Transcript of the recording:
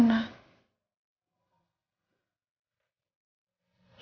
nanti kesnya gimana